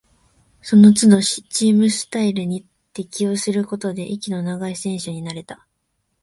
そのつどチームスタイルに適応することで、息の長い選手になれた